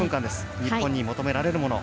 日本に求められるものは？